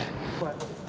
các đối tượng